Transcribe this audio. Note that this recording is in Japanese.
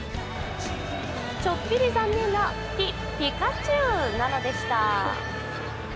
ちょっぴり残念なピッ、ピカチュウなのでした